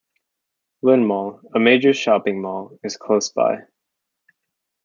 LynnMall, a major shopping mall, is close by.